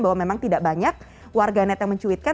bahwa memang tidak banyak warganet yang mencuitkan